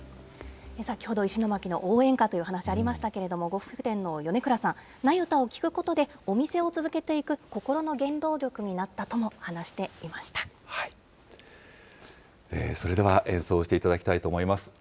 先ほど、石巻の応援歌という話ありましたけれども、呉服店の米倉さん、ナユタを聴くことで、お店を続けていく心の原動力になそれでは演奏していただきたいと思います。